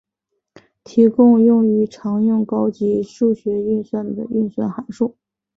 提供用于常用高级数学运算的运算函数。